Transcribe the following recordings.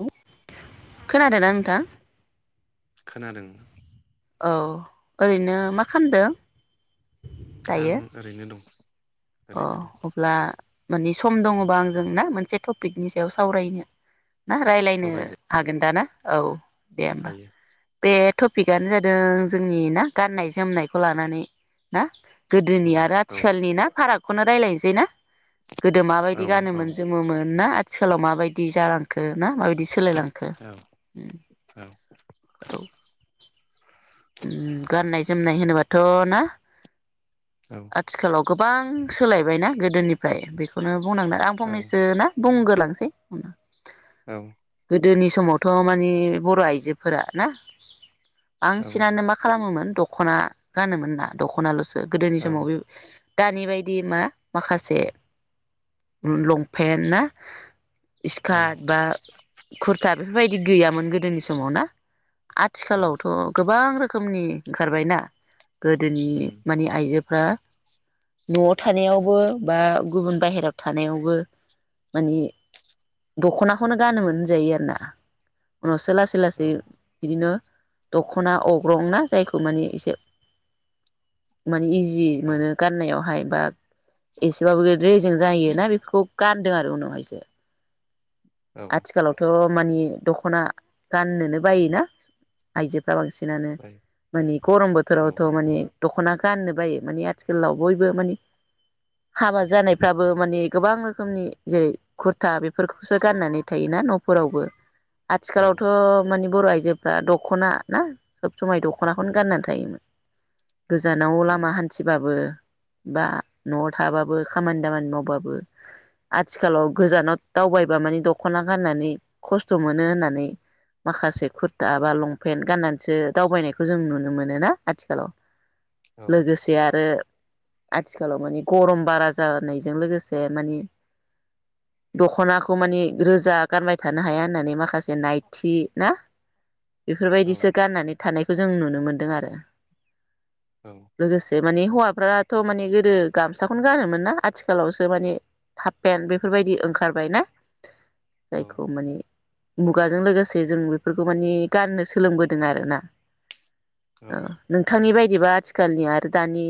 औ खोनादों ना नोंथां खोनादों औ ओरैनो मा खालामदों आं दायो ओरैनो दं अ ओरैनो दं अब्ला माने सम दङ बा आंजों ना मोनसे टपिकनि सायाव सावरायनो ना रायज्लायनो सावरायजा हागोन दा ना औ दे होमबा हायो बेथ' पिकआनो जादों जोंनि ना गाननाय जोमनायखौ लानानै ना औ गोदोनि आरो औ आथिखालनि ना फाराग खौनो रायलायनोसै ना गोदो औ माबायदि औ गानोमोन जोमोन ना आ थिखालाव माबायदि जालांखो ना माबायदि सोलायलांखो औ उम औ उम गाननाय जोमनाय होनोबाथ' ना औ आथिखालाव गोबां सोलायबायना गोदोनिफ्राय बेखौनो बुंनांगोना आं औ फनैसो ना बुंगोलांसै औ गोदोनि समावथ' मानि बर' आइजोफोरा ना औ बिसिनानो मा खालामोमोन दख'ना गानोमोन ना दख'नाल'सो गोदोनि समाव बे दानि बायदि मा माखासे लंपेन्ट ना इसकार्ट बा कुरटा बेफोरबायदि गैयामोन गोदोनि समाव ना औ आथिखालावथ' गोबां रोखोमनि ओंखारबायना गोदोनि उम मानि आइजोफ्रा न'आव थानायावबो बा गुबुन बाहेरायाव थानायावबो मानि दख'नाखौनो गानोमोन होनजायो आरो ना उनावसो सो लासै औ लासै बिदिनो दख'ना अग्रं ना जायखौ माने एसे माने इजि जि औ मोनो गाननायावहाय बा एसेबाबो रेजें जायोना बेफोरखौ गानदों आरो उनावहायसो औ आथिखालावथ' मानि दख'ना गाननोनो बायोना आइजो बांसिनानो बाय मानि गरम औ बोथोरावथ' माने दख'ना गाननो बायो माने आथिखालाव बयबो माने हाबा जानायफ्राबो माने गोबां रोखोमनि जेरै खुरथा बेफोरखौसो गाननानै थायोना न'फोरावबो आथिखालावथ' मानि बर' आइजोफ्रा दख'ना ना सब समाय दख'नाखौनो गाननानै थायोमोन गोजानाव उम लामा हान्थिबाबो बा न'आव थाबाबो खामानि दामानि मावबाबो आथिखालाव गोजानाव दावबाय बा माने दख'ना गाननानै खस्थ' मोनो होननानै माखासे खुर्था बा लंपेन्ट गाननानैसो दावबायनायखौ जों नुनो मोनो ना आथिखालाव औ लोगोसे आरो आथिखालाव मानि गरम बारा जानायजों लोगोसे मानि दख'नाखौ खौ मानि रोजा गानबाय थानो हाया होननानै माखासे नायथि ना औ बेफोरबायदिसो गाननानै थानायखौ जों नुनो मोनदों आरो औ लोगोसे माने हौवाफ्राथ' माने गोदो गामसाखौनो गानोमोन ना आथिखालावसो माने हाबपेेनट बेफोरबायदि ओंखारबाय ना औ जायखौ माने मुगाजों लोगोसे जों बेफोरखौ माने गाननो सोलोंबोदों आरोना ओ औ नोंथांनि बाय दिबा आथिखालनि आरो दानि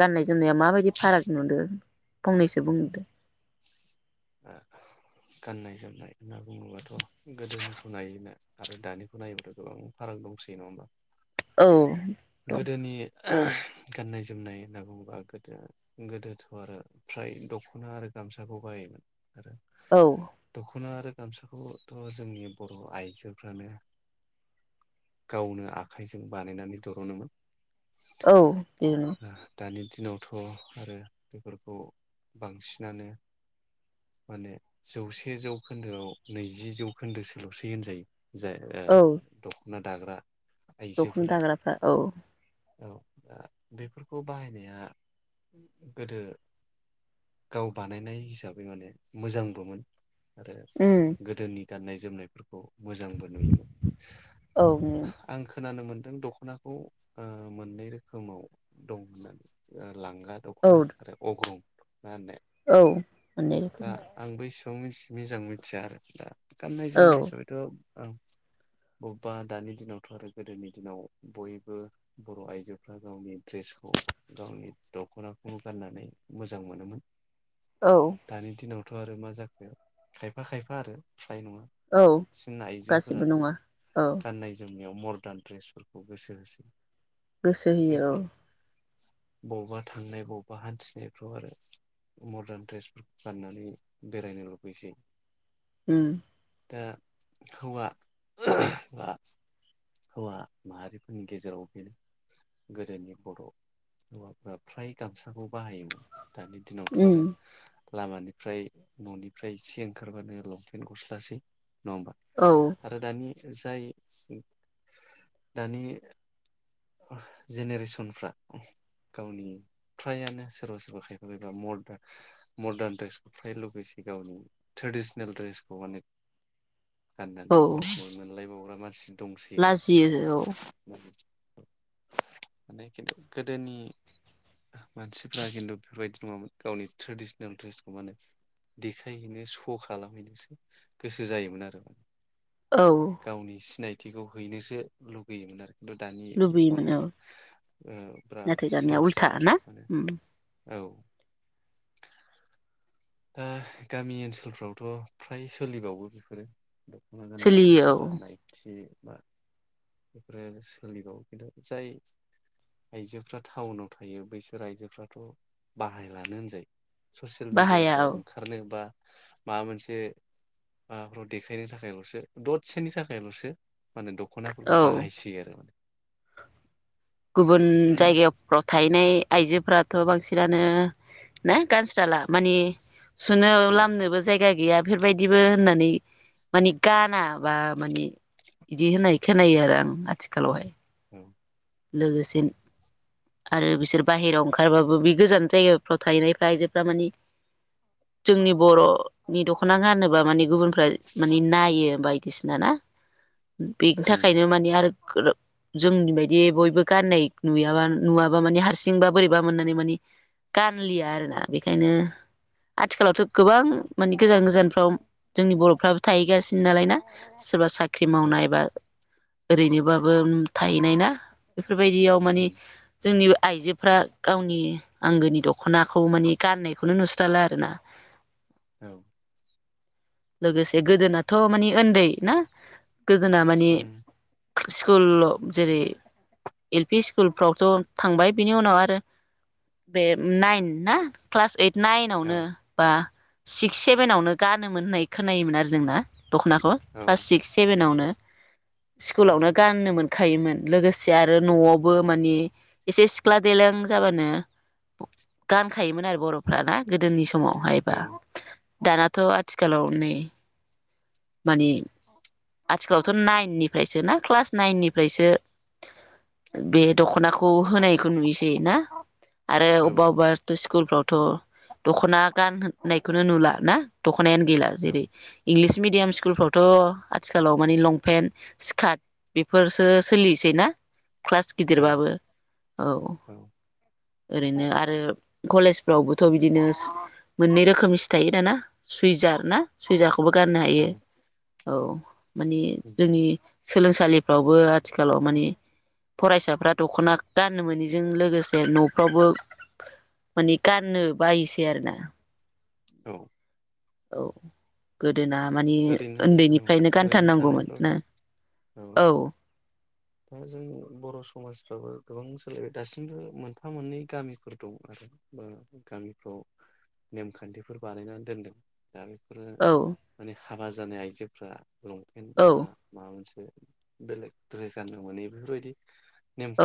गाननाय जोमनाया माबायदि फाराग नुदो फंनैसो बुंहरदो ओ गाननाय जोमनाय होनना बुङोबाथ' गोदोनिखौ नायोना आरो दानिखौ नायोबाथ' गोबां फाराग दंसै नङा होमबा औ गोदोनि [unintelligible] गाननाय जोमनाय होनना बुङोबा गोदो गोदोथ' आरो फ्राय दख'ना आरो गामसाखौ बाहायोमोन आरो औ दख'ना आरो गामसाखौथ' जोंनि बर' आइजोफ्रानो गावनो आखाइजों बानायनानै दर'नोमोन औ बेनो दानि दिनावथ' आरो बेफोरखौ बांसिनानो माने जौसे जौखोन्दोआव नैजि जौखोन्दो सोल'सै होनजायो जाय ओ औ दख ना दाग्रा दख'ना आइजोफोरा दाग्राफ्रा औ औ आ बेफोरखौ बाहायनाया गोदो गाव बानायनाय हिसाब रो माने मोजांबोमोन आरो उम गोदोनि गाननाय जोमनायफोर खौ मोजांबो नुयोमोन औ आं खोनानो मोन दों दख'नाखौ ओ मोननै रोखोमाव दं होननानै ओ लांगा औ दख'ना आरो अग्रं नाने औ मोननै रोखोम दा आंबो एसे बां मिथि मिजां मिथिया आरो दा गाननाय औ जोमनाय हिसाबैथ' आं बबेबा दानि दिनावथ' आरो गोदोनि दिनाव बयबो बर' आइजोफ्रा गावनि ड्रेसखौ गावनि दख'नाखौनो गाननानै मोजां मोनोमोन औ दानि दिनाव थ' आरो मा जाखो खायफा खायफा आरो फ्राय नङा औ बांसिन गासिबो आइजोफोरानो नङा औ गाननाय जोम नायाव मर्दार्न ड्रेसफोरखौ गोसो होसै गोसो होयो औ बबेबा थांनाय बबेबा हान्थिनायफ्राव आरो मर्दान ड्रेस गाननानै बेरायनो लुबैसै उम दा हौवा बा हौवा माहारिफोरनि गेजेराव बेनो गोदोनि बर' हौवाफ्रा फ्राय गामसाखौ बाहायोमोन दानि दिनावथ' उम आरो लामानिफ्राय न'निफ्राय एसे ओंखारबानो लंपेन्ट गस्लासै नङा होमबा औ आरो दानि जाय दानि जेनेरेसनफ्रा गावनि फ्रायानो सोरबा सोरबा खायफा खायफा मर्दान मर्दान ड्रेसखौ फ्राय लुबैसै गावनि ट्रेडिसनेल ड्रेसखौ अनेक औ गाननानै बस्थो मोनलायबावग्रा मानसि दंसै आरो लाजियो औ माने खिन्थु गोदोनि मानसिफ्रा खिन्थु बेफोरबायदि नङामोन गावनि ट्रेडिसनेल द्रेसखौ माने देखायहैनो सह' खालामहैनोसो गोसो जायोमोन आरो माने औ गावनि सिनाय थिखौ हैनोसो लुगैयोमोन आरो खिन्थु दानि बर' लुबैयोमोन ओ औ नाथाय बिराद दानिया सेन्ज उल्था जाबाय ना आरो उम औ दा गामि ओनसोलफ्रावथ' फ्राय सोलिबावो बेफोरो दख'ना गाननाय सोलियो बा औ नायथि बा बेफोरो सोलिबावो खिन्थु जाय आइजोफ्रा टाउनाव थायो बैसोर आइजोफ्राथ' बाहायलानो होनजायो ससियेल बाहाया मिडियाफ्राव औ ओंखारनो बा माबा मोनसे माबाफ्राव देखायनो थाखायल'सो दसेनि थाखायल'सो माने दख'ना औ बाहायसै आरो माने गुबुन जायगाफ्राव था नाय आइजोफोराथ' बांसिनानो ना गानस्राला माने सुनो औ लामनोबो जायगा गैया बेफोरबायदिबो होननानै मानि गाना माबा मानि इदि होनाय खोनायो आरो आं आथिखालावहाय [inaudible] लोगोसे आरो बिसोर बाहेरायाव ओंखारबाबो बे गोजान जायगाफ्राव थाहैनायफ्रा आइजोफ्रा मानि जोंनि बर'नि दख'ना गानोबा माने गुबुन फ्रा माने नायो बायदिसिना ना बेनि उम थाखायनो माने आरो जोंनि बाय दि बयबो गाननाय नुयाबा नुवाबा मानि हारसिंबा बोरैबा मोननानै माने गानलिया आरोना बेखायनो आथिखालावथ' गोबां औ माने गोजान गोजान आव जोंनि बर'फ्राबो थाहैगासिनो नालाय ना सोरबा सा ख्रि औ मावनाय बा ओरैनोबाबो थाहैनाय ना बेफोरबायदियाव माने उम जोंनि आइजोफ्रा गावनि आंगोनि दख'नाखौ मानि गाननायखौनो नुस्राला आरो ना औ लोगोसे गोदोनाथ' माने ओन्दै ना गोदोना माने उम स्कुल जेरै एल पि स्कुलफ्रावथ' थांबाय बिनि उनाव आरो बे नाइन ना क्लास ओइट औ नाइनावनो बा सिक्स सेभेनावनो गानोमोन होननाय खोनायोमोन आरो जोंना दख'नाखौ औ क्लास सिक्स सेभेनावनो औ स्कुलावनो गाननो मोन खायोमोन लोगोसे आरो न'आवबो मानि एसे सिख्ला देलें जाबानो गानखायोमोन आरो बर'फ्रा ना गोदोनि सम ावहायबा औ दानाथ' आथिखालाव माने माने आथिखालावथ' नाइननिफ्रायसो ना क्लास नाइन निफ्रायसो बे दख'नाखौ होनायखौ नुयोसै ना आरो अबावबा अबावबाथ स स्कुल फ्रावथ' दख'ना गान होननायखौनो नुला ना दखनायानो गै औ जेरै इंलिस मिडियाम स्कुलफ्रावथ' आथिखालाव माने लंपेन्ट स्कार्ट बेफोरसो सोलिसै ना क्लास गिदिरबाबो औ ओरैनो आरो कलेजफ्रावबोथ' बिदिनो मोननै रोखोमनिसो थायो दाना सुइजार ना सुइजाख खौबो गाननो हायो औ औ माने जोंनि सोलोंसालिफ्रावबो आथिखालाव मानि फरायसाफ्रा दख'ना गाननो मोनिजों लोगोसे न'फ्रावबो माने गाननो बायसै आरोना औ औ गो ओरैनो औ ओरैनो गानथारनांगौमोन थानायफ्रावथ' ना औ औ दा जों बर' समाजफ्राबो गोबां सोलायबाय दासिमबो मोनफा मोननै गामिफोर दं आरो ओ गामिफ्राव नेमखान्थिफोर बानायनानै दोनदों दा औ बेफोरो हाबा जानाय आइजोफोरा लं औ बा माबा मोनसे बेलेग बेलेग जानो मोनो बेफोरबायदि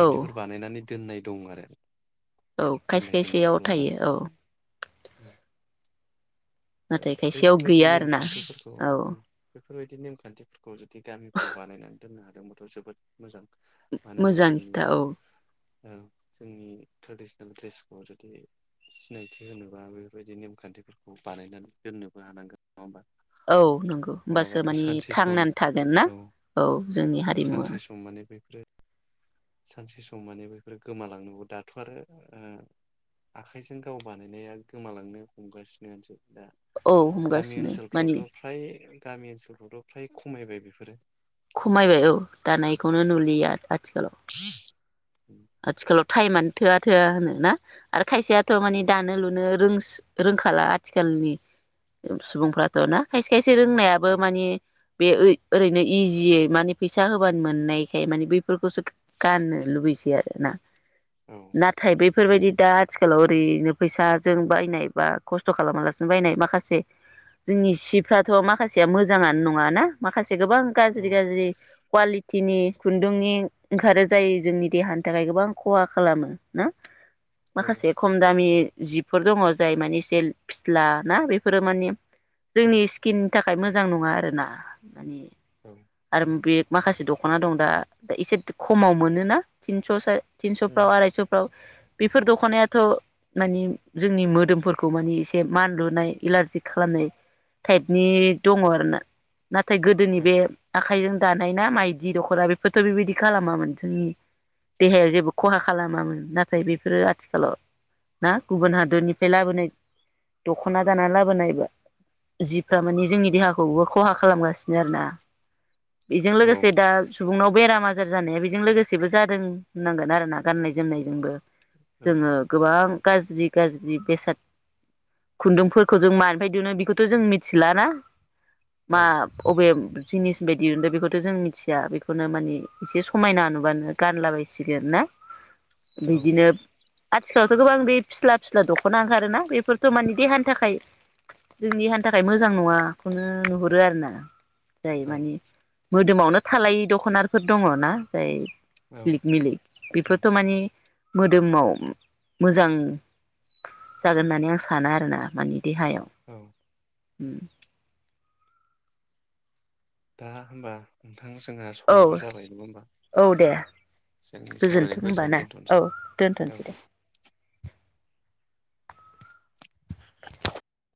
औ बानायनानै दोननाय दं आरो औ खायसे खायसेयाव थायो औ औ नाथाय खायसेयाव गैया आरो ना [unintelligible] बेफोरबायदि नेमखान्थिफोरखौ जुदि गामिफ्राव बानायनानै दोननो हायोबाथ जोबोद मोजां मानो होनबा मोजां जोंनि खोथा औ जोंनि ट्रेडिसनेल ड्रेसखौ जुदि सिनायथि होनोबा बेफोरबायदि नेमखान्थिफोरखौ बानायनानै दोननोबो हानांगोन नङा होमबा औ नंगौ होमबासो नङाबाथ' मानि सानसे सम थांनानै थागोन ना औ औ जोंनि औ हारिमुवा सानसे सम माने बेफोरो सानसे सम माने बेफोरो गोमालांनांगौ दाथ' आरो आखाइजों गाव बानायनाया गोमालांनो हमगासिनो होनसै दा औ गामि हमगासिनो मानि ओनसोलफ्रावथ' फ्राय गामि ओनसोलफ्राव फ्राय खमायबाय बेफोरो खमायबाय औ दानायखौनो नुलिया आ आथिखालाव आथिखालाव टाइमानो थोआ थोआ होनो ना आरो खायसेयाथ' औ माने दानो लुनो रों रोंखाला आथिखालनि सुबुंफ्राथ' ना खायसे खायसे एसे रोंनायाबो औ माने बे ओरैनो इजियै माने फैसा होबानो मोननायखाय माने बैफोरखौसो गाननो लुबैसै आरो ना औ नाथाय बे बेफोरबायदि दा आथिखालाव ओरैनो फैसाजों बायनाय बा खस्थ' खालामालासिनो बायनाय माखासे जोंनि सिफ्राथ' माखासेया मोजाङानो नङाना माखासे गोबां औ गाज्रि गाज्रि कवालि थिनि खुन्दुंनि ओंखारो जायो जोंनि देहानि नि थाखाय गोबां खहा खालामो ना औ माखासे खम दामि जिबफोर दङ जाय माने एसे फिस्ला ना बेफोरो माने जोंनि स्किन नि थाखाय मोजां नङा आरोना माने‌ औ [unintelligible] आरो बे माखासे दख'ना दं दा दा एसे खमाव मोनोना थिनस थिनस'फ्राव आरायस'फ्राव बेफोर दख'नायाथ' मानि जोंनि मोदोमफोरखौ मानि एसे मानलुनाय इलारजि खालामनाय टाइपनि दङ आरो ना नाथाय गोदोनि बे आखाइजों दानाय ना माइदि दख'ना बेफोरथ' बेबायदि खालामामोन जोंनि देहायाव जेबो औ खहा खालामामोन नाथाय ओमफ्राय बेफोरो आथिखालाव ना गुबुन हादरनिफ्राय लाबोनाय दख'ना दाना लाबोनाय जिफ्रा माने जोंनि देहाखौबो खहा खालामगासिनो आरोना बेजों लोगोसे दा सुबुंनाव बेराम आजार‌ जानाया बेजों लोगोसे जादों होननांगोन आरोना गाननाय जोमनायजोंबो औ जोङो गोबां गाज्रि गाज्रि बेसाद खुन्दुंफोरखौ जों मानिफ्राय दिहुनो बेखौथ' जों मिथिला ना मा अबे जिनिस बायदि उदों बेखौथ' जों मिथिया बेखौनो माने एसे समायना नुबानो गानला बायसिगोन‌ ना बिदिनो आथिखालावथ' गोबां बे फिस्ला फिस्ला दख'ना ओंखारोना बेफोरथ' माने देहानि थाखाय जोंनि देहानि थाखाय मोजां नङाखौनो नुहुरो आरो ना जायो औ मानि मो मोदोमावनो थालायि दख'नारफोर दङ ना जाय औ औ सिलिक मिलिक बेफोरथ' औ मानि मोदोमाव मोजां जागोन होननानै आं सानो आरोना माने देहायाव उम दा होमबा नोंथां जोंहा औ समाबो जाबाय नङा होमबा औ दे जोंनि गोजोन्थों सावरायनायखौ होमबा एसेबां ना औ दोनथ'नोसै दोनथ'नोसै औ दे [inaudible]